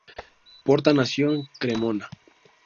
Porta nació en Cremona.